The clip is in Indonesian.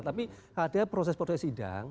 tapi ada proses proses sidang